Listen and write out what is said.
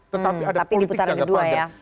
tetapi ada politik jangka panjang